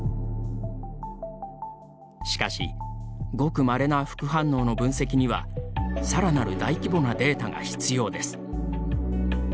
しかしごくまれな副反応の分析にはさらなる大規模なデータが必要です。